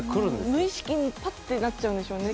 無意識にパッてなっちゃうんでしょうね。